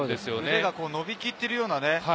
手がのび切っているようなね。